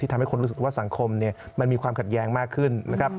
ทำให้คนรู้สึกว่าสังคมมันมีความขัดแย้งมากขึ้นนะครับ